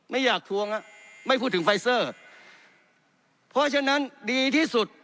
ไม่อยากทวงอ่ะไม่พูดถึงไฟเซอร์เพราะฉะนั้นดีที่สุด